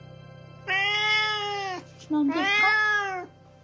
何ですか？